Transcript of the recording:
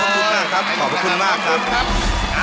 ขอบคุณมากครับขอบคุณมากครับ